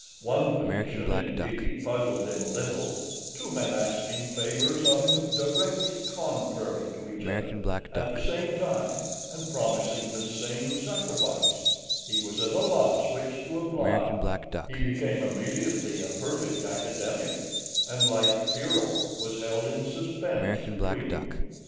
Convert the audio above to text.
One petition, indeed, puzzled him a little; two men asking favours of him directly contrary to each other, at the same time, and promising the same sacrifice; he was at a loss which to oblige; he became immediately a perfect Academic, and like Pyrrho, {185b} was held in suspense between them.